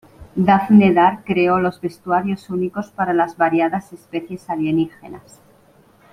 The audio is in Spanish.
Daphne Dare creó los vestuarios únicos para las variadas especies alienígenas.